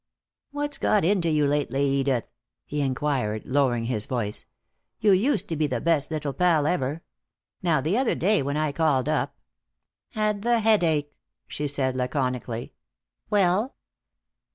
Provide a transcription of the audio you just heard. "What's got into you lately, Edith?" he inquired, lowering his voice. "You used to be the best little pal ever. Now the other day, when I called up " "Had the headache," she said laconically. "Well?"